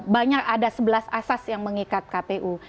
banyak ada sebelas asas yang mengikat kpu